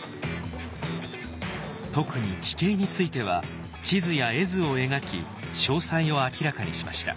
特に地形については地図や絵図を描き詳細を明らかにしました。